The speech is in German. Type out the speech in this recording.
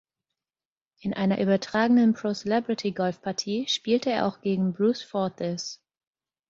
In einer übertragenen Pro-Celebrity-Golfpartie spielte er auch gegen Bruce Forsyth.